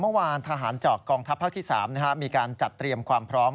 เมื่อวานทหารจากกองทัพภาคที่๓มีการจัดเตรียมความพร้อม